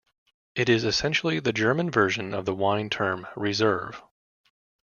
It is essentially the German version of the wine term Reserve.